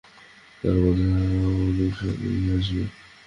তোর বদলে আরও অনুসারী আসবে।